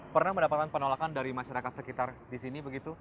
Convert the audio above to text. pernah mendapatkan penolakan dari masyarakat sekitar di sini begitu